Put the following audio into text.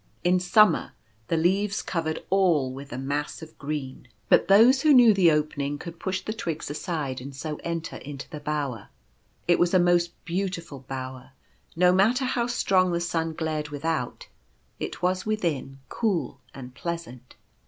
In summer the leaves covered all with a mass of green ; y 1 62 The Willow Bower. but those who knew the opening could push the twigs aside, and so enter into the bower. It was a most beautiful bower. No matter how strong the sun glared without, it was within cool and pleasant.